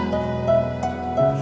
aku harus kerja lagi